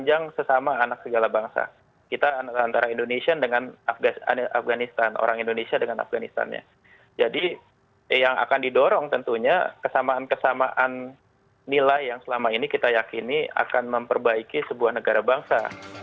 jadi yang akan didorong tentunya kesamaan kesamaan nilai yang selama ini kita yakini akan memperbaiki sebuah negara bangsa